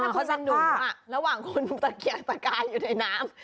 ถ้าคุณเป็นหนูระหว่างคุณตะเกียกตะกายอยู่ในน้ำ